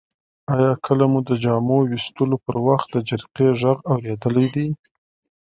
آیا کله مو د جامو ویستلو پر وخت د جرقې غږ اوریدلی دی؟